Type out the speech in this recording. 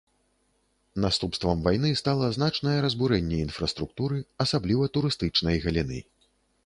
Наступствам вайны стала значнае разбурэнне інфраструктуры, асабліва турыстычнай галіны.